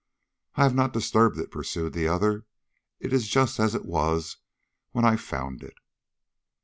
"I have not disturbed it," pursued the other. "It is just as it was when I found it."